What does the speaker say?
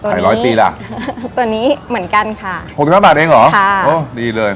ร้อยปีล่ะตัวนี้เหมือนกันค่ะหกสิบห้าบาทเองเหรอค่ะโอ้ดีเลย